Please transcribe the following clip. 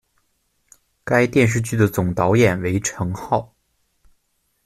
该电视剧的总导演为成浩。